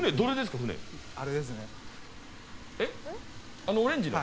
あのオレンジの？